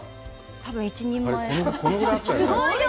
多分、一人前。